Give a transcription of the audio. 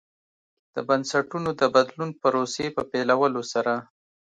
د بنسټونو د بدلون پروسې په پیلولو سره.